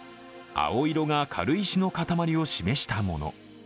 青色が軽石の塊を示したもの。